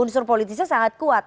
unsur politiknya sangat kuat